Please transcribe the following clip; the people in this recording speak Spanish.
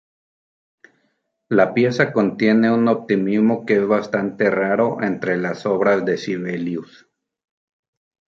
La pieza contiene un optimismo que es bastante raro entre las obras de Sibelius.